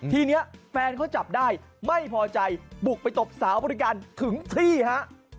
ทีนี้แฟนเขาจับได้ไม่พอใจบุกไปตบสาวบริการถึงที่ฮะ